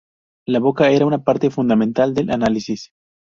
La boca era una parte fundamental del análisis.